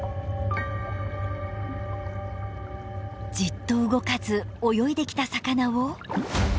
じっと動かず泳いできた魚を。